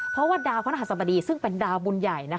เพราะว่าดาวเขานะครับสมดีซึ่งเป็นดาวบุญใหญ่นะคะ